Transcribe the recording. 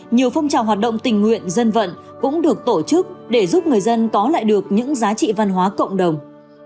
nhiều phong trào hoạt động tình nguyện dân vận cũng được tổ chức để giúp người dân có lại được những giá trị văn hóa cộng đồng